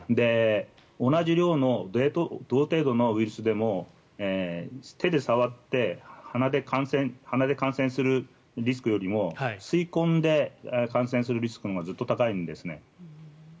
同じ量の同程度のウイルスでも手で触って鼻で感染するリスクよりも吸い込んで感染するリスクのほうがずっと高いんですね。